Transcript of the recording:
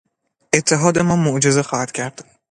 اتحاد ما معجزه خواهد کرد.